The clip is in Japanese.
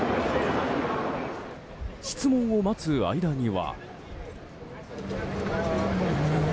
質問を待つ間には。